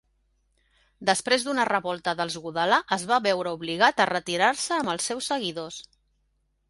Després d'una revolta dels Gudala es va veure obligat a retirar-se amb els seus seguidors.